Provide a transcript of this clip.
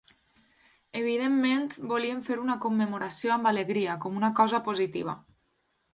Evidentment, volien fer una commemoració amb alegria, com una cosa positiva.